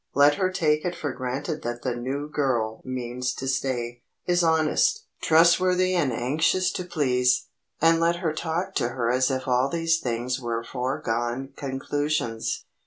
Let her take it for granted that the "new girl" means to stay, is honest, trustworthy and anxious to please, and let her talk to her as if all these things were foregone conclusions.